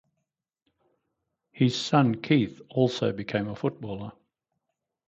His son Keith also became a footballer.